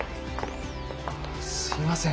すいません